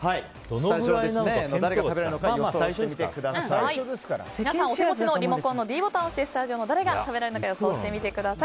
スタジオ、誰が食べられるのか皆さん、お手持ちのリモコンのｄボタンを押してスタジオの誰が食べられるのか予想してみてください。